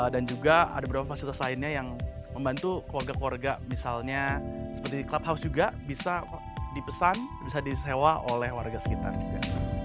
dan juga ada beberapa fasilitas lainnya yang membantu keluarga keluarga misalnya seperti clubhouse juga bisa dipesan bisa disewa oleh warga sekitar juga